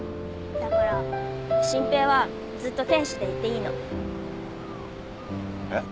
だから真平はずっと天使でいていいの。えっ？